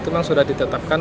yang sudah ditetapkan